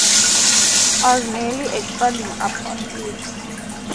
I was merely expanding upon it.